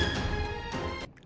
saya mau datang